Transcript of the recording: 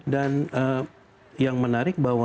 dan yang menarik bahwa